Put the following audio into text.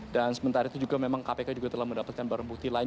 dan sementara itu juga memang kpk juga telah mendapatkan barang bukti lain